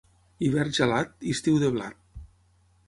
Hivern gelat, estiu de blat.